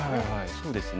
そうですね。